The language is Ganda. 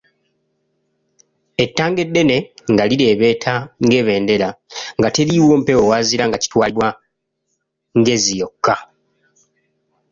Ettanga eddene nga lireebeeta ng'ebendera; nga teri mpewo wazira nga kitwalibwa ngezi yokka.